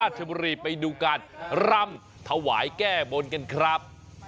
ชมบุรีไปดูการรำถวายแก้บนกันครับ